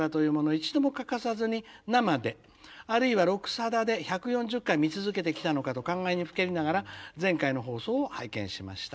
一度も欠かさずに生であるいは『録さだ』で１４０回見続けてきたのかと感慨にふけりながら前回の放送を拝見しました」。